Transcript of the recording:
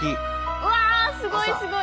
うわすごいすごい！